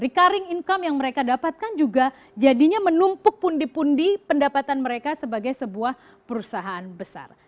jadi recurring income yang mereka dapatkan juga jadinya menumpuk pundi pundi pendapatan mereka sebagai sebuah perusahaan besar